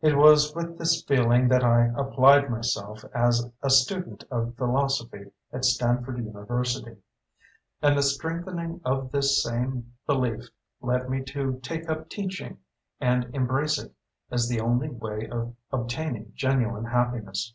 It was with this feeling that I applied myself as a student of philosophy at Stanford University. And the strengthening of this same belief led me to take up teaching and embrace it as the only way of obtaining genuine happiness.